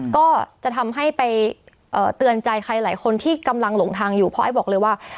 ก็จะทำให้ไปเตือนใจใครหลายคนที่กำลังหลงทางอยู่เพราะไอ้บอกเลยว่า